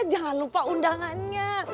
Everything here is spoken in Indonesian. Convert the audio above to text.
jangan lupa undangannya